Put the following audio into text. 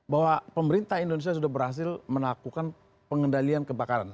bahwa pemerintah indonesia sudah berhasil melakukan pengendalian kebakaran